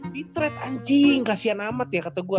di trade anjing kasihan amat ya kata gue